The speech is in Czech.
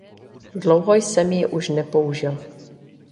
Dlouho jsem ji už nepoužil.